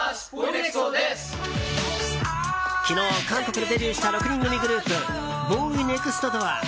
昨日、韓国でデビューした６人組グループＢＯＹＮＥＸＴＤＯＯＲ。